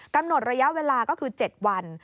กำหนดระยะเวลาก็คือ๗วัน